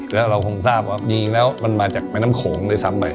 แล้วเราคงทราบว่าจริงแล้วมันมาจากแม่น้ำโขงด้วยซ้ำไป